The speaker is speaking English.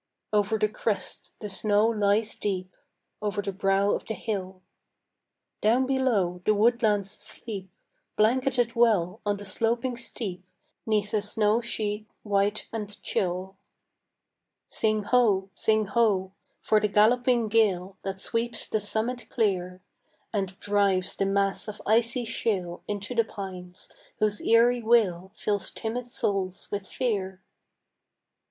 Over the crest the snow lies deep, Over the brow of the hill. Down below the woodlands sleep, Blanketed well on the sloping steep 'Neath a snow sheet white and chill. Sing ho, sing ho, for the galloping gale That sweeps the summit clear, And drives the mass of icy shale Into the pines, whose eery wail Fills timid souls with fear!